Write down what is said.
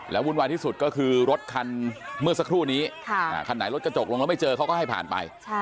วุ่นวายที่สุดก็คือรถคันเมื่อสักครู่นี้คันไหนรถกระจกลงแล้วไม่เจอเขาก็ให้ผ่านไป